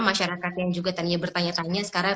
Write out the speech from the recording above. masyarakat yang juga tadinya bertanya tanya sekarang